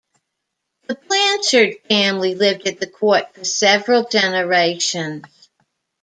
The Blanchard family lived at the court for several generations.